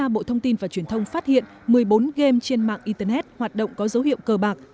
bộ thông tin và truyền thông phát hiện một mươi bốn game trên mạng internet hoạt động có dấu hiệu cờ bạc